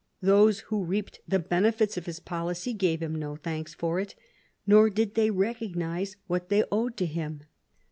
Those who reaped the benefits of his policy gave him no thanks for it, nor did they recognise what they owed to him.